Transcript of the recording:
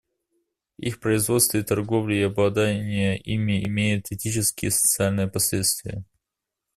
Их производство и торговля и обладание ими имеют этические и социальные последствия.